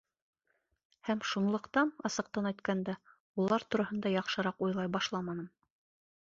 Һәм шунлыҡтан, асыҡтан әйткәндә, улар тураһында яҡшыраҡ уйлай башламаным.